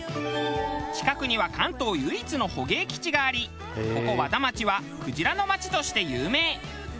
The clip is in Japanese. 近くには関東唯一の捕鯨基地がありここ和田町はクジラの町として有名。